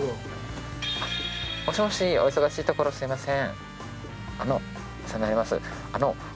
もしもしお忙しいところすみません。